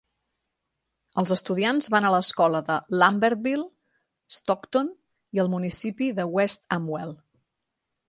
Els estudiants van a l'escola de Lambertville, Stockton i el municipi de West Amwell.